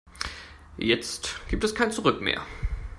Jetzt gibt es kein Zurück mehr.